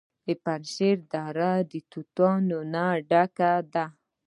د پنجشیر دره د توتانو ډکه ده.